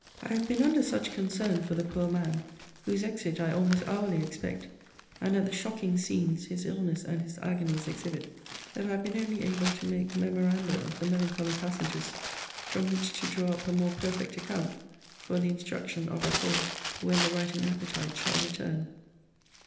I have been under such concern for the poor man, whose exit I almost hourly expect, and at the shocking scenes his illness and his agonies exhibit, that I have been only able to make memoranda of the melancholy passages, from which to draw up a more perfect account, for the instruction of us all, when the writing appetite shall return.